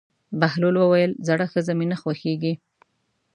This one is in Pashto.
بهلول وویل: زړه ښځه مې نه خوښېږي.